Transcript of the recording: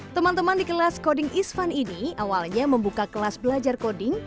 teman teman di kelas coding isfan ini awalnya membuka kelas belajar coding